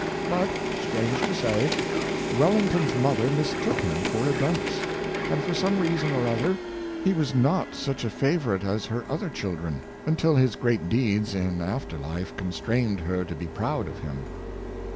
But, strange to say, Wellington's mother mistook him for a dunce, and for some reason or other, he was not such a favorite as her other children, until his great deeds in after life con strained her to be proud of him.